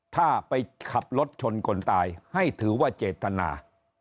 ถ้าไปขับรถชนคนตายให้ถือว่าเจตนา